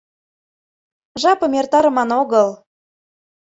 Жапым эртарыман огыл.